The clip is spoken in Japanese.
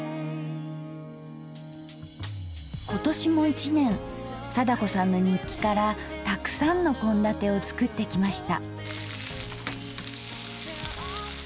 今年も一年貞子さんの日記からたくさんの献立を作ってきました。